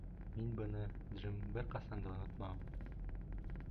Мин быны, Джим, бер ҡасан да онотмам.